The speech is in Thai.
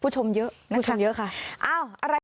ผู้ชมเยอะค่ะ